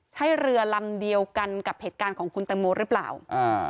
ใช่เรือลำเดียวกันกับเหตุการณ์ของคุณตังโมหรือเปล่าอ่า